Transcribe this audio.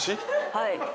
はい。